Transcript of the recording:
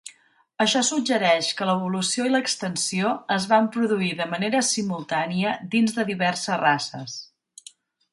Això suggereix que l'evolució i l'extensió es van produir de manera simultània dins de diverses races.